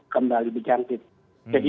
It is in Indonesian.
kembali berjangkit jadi